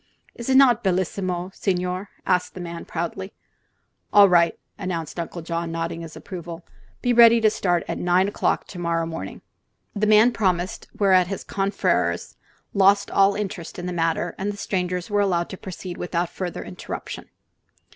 "Is not bellissima, signore?" asked the man, proudly. "All right," announced Uncle John, nodding approval. "Be ready to start at nine o'clock to morrow morning." The man promised, whereat his confreres lost all interest in the matter and the strangers were allowed to proceed without further interruption.